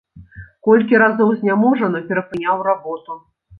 Колькі разоў зняможана перапыняў работу.